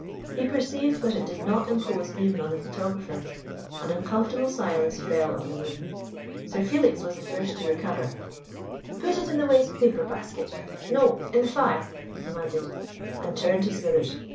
He perceived that it did not impose even on the photographer. An uncomfortable silence fell on the room. Sir Felix was the first to recover. "Put it in the waste paper basket: no, in the fire!" he commanded, and turned to Smithers.